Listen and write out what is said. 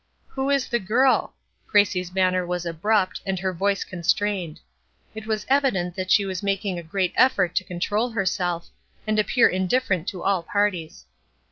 "Who is the girl?" Gracie's manner was abrupt, and her voice constrained. It was evident that she was making great effort to control herself, and appear indifferent to all parties.